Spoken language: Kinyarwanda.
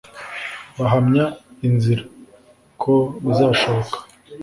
bahamya inzira, ko bizashoboka